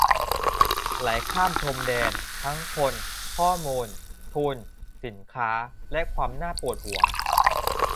ไหลข้ามพรมแดน ทั้งคน ข้อมูล ทุน สินค้า และความน่าปวดหัว